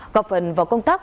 góp phần vào công tác